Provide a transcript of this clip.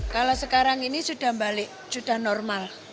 kalau sekarang ini sudah balik sudah normal